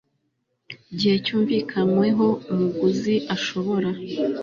gihe cyumvikanyweho umuguzi ashobora